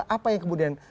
apa yang kemudian